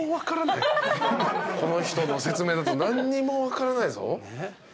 この人の説明だと何にも分からないぞ。